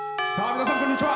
皆さん、こんにちは。